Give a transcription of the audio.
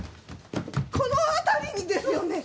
この辺りにですよね？